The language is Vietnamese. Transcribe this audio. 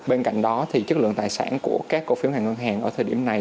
bên cạnh đó thì chất lượng tài sản của các cổ phiếu ngành ngân hàng ở thời điểm này